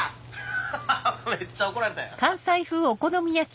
ハハハめっちゃ怒られたやん。